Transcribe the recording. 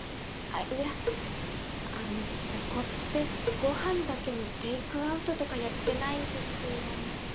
あっいやあのここってごはんだけのテークアウトとかやってないですよね？